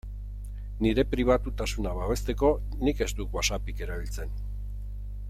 Nire pribatutasuna babesteko nik ez dut WhatsAppik erabiltzen.